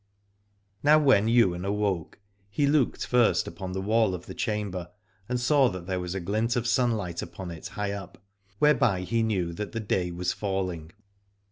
Now when Ywain awoke he looked first upon the wall of the chamber and saw that there was a glint of sunlight upon it high up, whereby he knew that the day was fall ing.